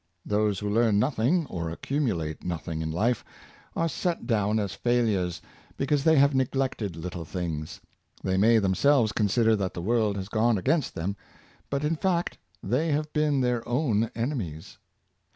Those who learn nothing, or accumulate nothing in life, are set down as failures, because they have neglected little things. They may themselves consider that the world has gone against them; but, in fact, they have been their own enemies.